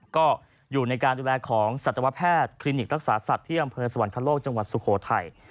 ก็อยู่ในการดูแลของสัตวแพทย์คลินิกรักษาสัตว์ที่อำเภอสวรรคโลกจังหวัดสุโขทัย